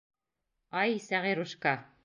Ай, Сәғирушка!